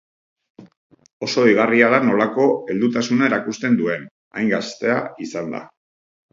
Oso deigarria da nolako heldutasuna erakusten duen, hain gaztea izanda.